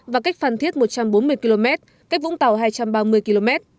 và cách phan thiết một trăm bốn mươi km cách vũng tàu hai trăm ba mươi km